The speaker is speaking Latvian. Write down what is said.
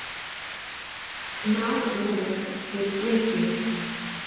Māte novesta līdz kliņķim.